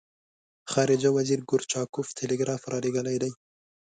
خارجه وزیر ګورچاکوف ټلګراف را لېږلی دی.